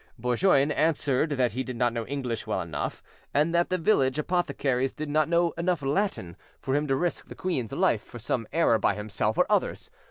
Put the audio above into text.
Bourgoin answered that he did not know English well enough, and that the village apothecaries did not know enough Latin, for him to risk the queen's life for some error by himself or others.